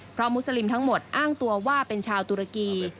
เพราะมุสลิมทั้งหมดอ้างตัวว่าเป็นชาวตุรกี